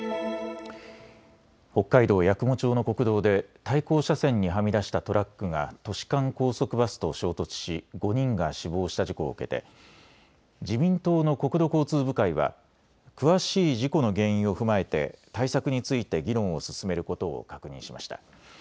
北海道八雲町の国道で対向車線にはみ出したトラックが都市間高速バスと衝突し５人が死亡した事故を受けて自民党の国土交通部会は詳しい事故の原因を踏まえて対策について議論を進めることを確認しました。